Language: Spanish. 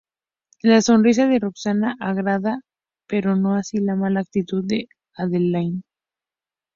La sonrisa de Roxanne agrada, pero no así la mala actitud de Madeleine.